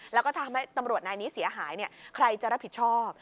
แล้วก็ทำให้ตำรวจนายนี้เสียหายใครจะรับผิดชอบ